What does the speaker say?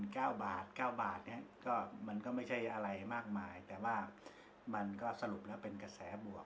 เก้าบาทเก้าบาทเนี้ยก็มันก็ไม่ใช่อะไรมากมายแต่ว่ามันก็สรุปแล้วเป็นกระแสบวก